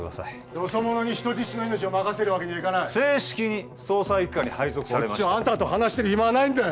よそ者に人質の命を任せるわけにはいかない正式に捜査一課に配属されましてこっちはあんたと話してる暇はないんだよ